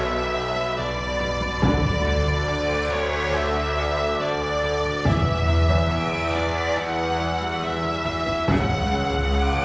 แม่ก็ตลอดเวลาที่เป็นใหญ่